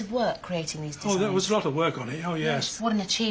はい。